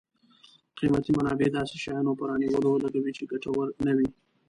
قیمتي منابع داسې شیانو په رانیولو لګوي چې ګټور نه وي.